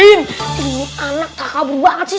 ini anak kabur banget sih